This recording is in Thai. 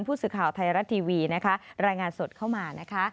ผู้สื่อข่าวไทยรัฐทีวีนะคะรายงานสดเข้ามานะคะ